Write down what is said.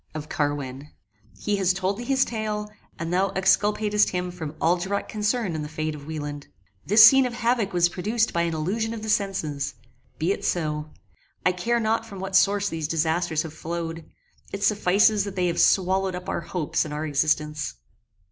of Carwin. He has told thee his tale, and thou exculpatest him from all direct concern in the fate of Wieland. This scene of havock was produced by an illusion of the senses. Be it so: I care not from what source these disasters have flowed; it suffices that they have swallowed up our hopes and our existence.